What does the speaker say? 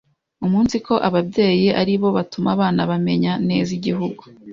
umunsiko ababyeyi aribo batuma abana bamenya neza igihugu